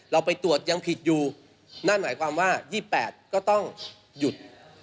เราไปตรวจยังผิดอยู่นั่นหมายความว่า๒๘ก็ต้องหยุด